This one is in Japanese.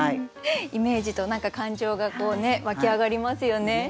イメージと何か感情がこうね湧き上がりますよね。